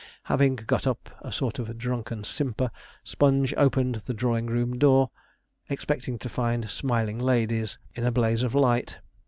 Having got up a sort of drunken simper, Sponge opened the drawing room door, expecting to find smiling ladies in a blaze of light.